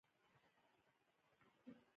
دې ژورنال په سلګونو ټولګې خپرې کړې دي.